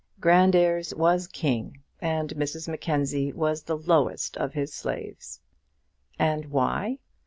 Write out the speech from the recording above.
Grandairs was king, and Mrs Mackenzie was the lowest of his slaves. And why?